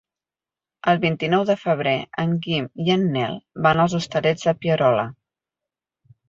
El vint-i-nou de febrer en Guim i en Nel van als Hostalets de Pierola.